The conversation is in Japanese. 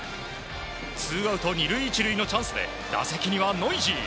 ツーアウト２塁１塁のチャンスで打席にはノイジー。